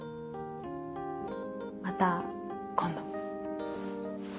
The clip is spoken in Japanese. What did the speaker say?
また今度。